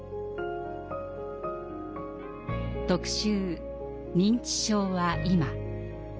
「特集認知症は今」。